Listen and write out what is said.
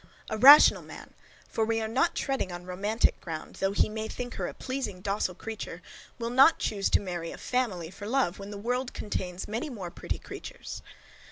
A rational man, for we are not treading on romantic ground, though he may think her a pleasing docile creature, will not choose to marry a FAMILY for love, when the world contains many more pretty creatures.